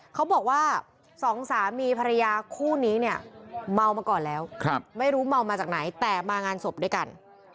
เขาบอกว่าสองสามีภรรยาคู่นี้เนี่ยเมามาก่อนแล้วไม่รู้เมามาจากไหนแต่มางานศพด้วยกัน